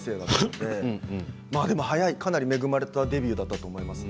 でも早いかなり恵まれたデビューだったと思います。